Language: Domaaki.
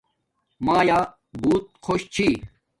مایا بوت خوش چھی